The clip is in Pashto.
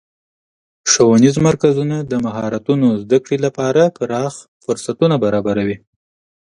ښوونیز مرکزونه د مهارتونو زدهکړې لپاره پراخه فرصتونه برابروي.